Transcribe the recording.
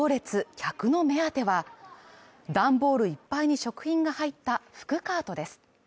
客の目当ては、段ボールいっぱいに食品が入った福カートです。